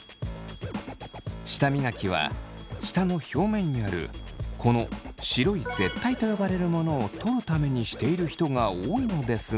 舌磨きは舌の表面にあるこの白い舌苔と呼ばれるものを取るためにしている人が多いのですが。